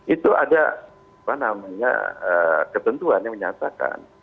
itu ada ketentuan yang menyatakan